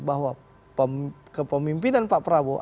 bahwa kepemimpinan pak prabowo